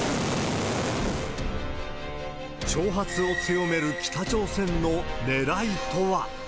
挑発を強める北朝鮮のねらいとは。